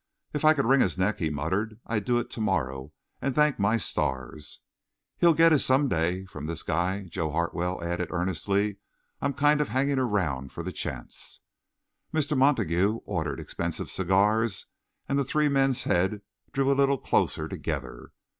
"If I could wring his neck," he muttered, "I'd do it to morrow and thank my stars." "He'll get his some day from this guy," Joe Hartwell added earnestly. "I'm kind of hanging round for the chance." Mr. Montague ordered expensive cigars and the three men's heads drew a little closer together.